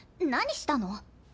何したの？